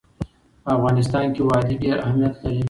په افغانستان کې وادي ډېر اهمیت لري.